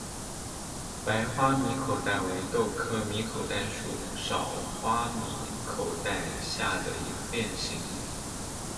白花米口袋为豆科米口袋属少花米口袋下的一个变型。